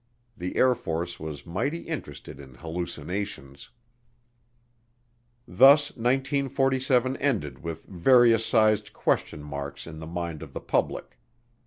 The Air Force was mighty interested in hallucinations. Thus 1947 ended with various sized question marks in the mind of the public.